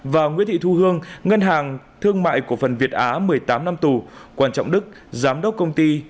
và nguyễn thị thu hương ngân hàng thương mại cổ phần việt á một mươi tám năm tù quan trọng đức giám đốc công ty